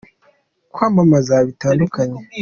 kwamamaza bitandukanye.